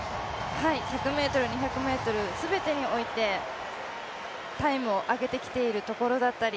１００ｍ、２００ｍ全てにおいてタイムを上げてきているところだったり